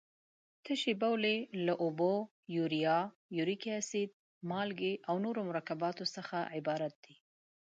تشې بولې له اوبو، یوریا، یوریک اسید، مالګې او نورو مرکباتو څخه عبارت دي.